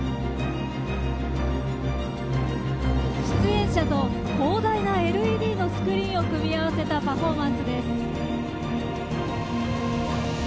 出演者と広大な ＬＥＤ スクリーンを組み合わせたパフォーマンスです。